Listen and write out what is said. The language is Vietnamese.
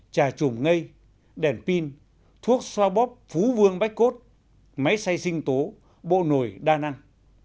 trà trùm ngây đèn pin thuốc xoa bóp phú vương bách cốt máy xay sinh tố bộ nồi đa năng